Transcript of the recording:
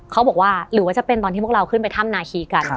หรือว่าหรือว่าจะเป็นตอนที่พวกเราขึ้นไปถ้ำนาคีกัน